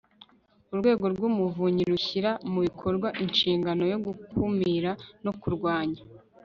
Urwego rw Umuvunyi rushyira mu bikorwa inshingano yo gukumira no kurwanya